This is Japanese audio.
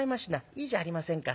いいじゃありませんか。